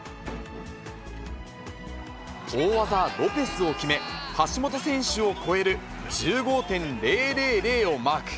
大技、を決め、橋本選手を超える１５．０００をマーク。